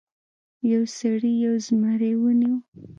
یو سړي یو زمری ونیو.